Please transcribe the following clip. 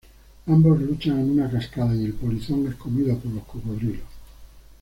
Ambos luchan en una cascada y el polizón es comido por los cocodrilos.